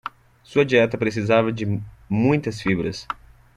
Sua dieta precisava de muitas fibras